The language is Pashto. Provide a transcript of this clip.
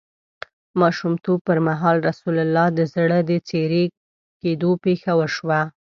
ماشومتوب پر مهال رسول الله ﷺ د زړه د څیری کیدو پېښه وشوه.